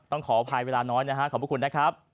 ต้องขออภัยเวลาน้อยขอบคุณนะครับ